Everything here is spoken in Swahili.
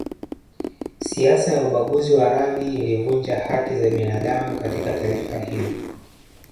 Siasa ya ubaguzi wa rangi ilivunja haki za binadamu katika taifa hilo